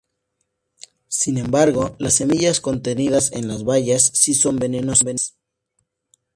Sin embargo, las semillas contenidas en las bayas sí son venenosas.